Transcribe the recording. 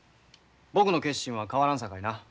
僕の決心は変わらんさかいな。